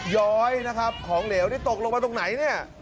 ย้อยนะครับของเหลวนี่ตกลงมาตรงไหนเนี่ย